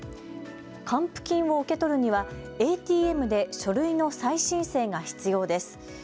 還付金を受け取るにはＡＴＭで書類の再申請が必要です。